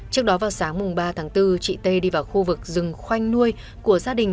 trước đó vào sáng ba tháng bốn chị tê đi vào khu vực rừng khoanh nuôi của gia đình